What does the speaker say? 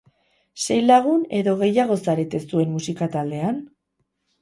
Sei lagun edo gehiago zarete zuen musika taldean?